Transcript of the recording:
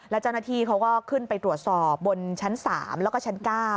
แล้วเจ้าหน้าที่เขาก็ขึ้นไปตรวจสอบบนชั้น๓แล้วก็ชั้น๙